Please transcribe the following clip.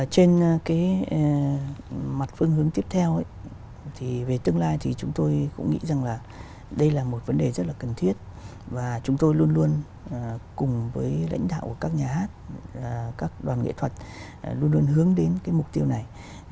trên mặt phương hướng tiếp theo thì về tương lai thì chúng tôi cũng nghĩ rằng là đây là một vấn đề rất là cần thiết và chúng tôi luôn luôn cùng với lãnh đạo của các nhà hát các đoàn nghệ thuật luôn luôn hướng đến cái mục tiêu này